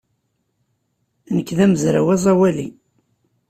Nekk d amezraw aẓawali.